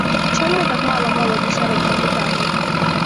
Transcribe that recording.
Чаму так мала моладзі сярод кандыдатаў?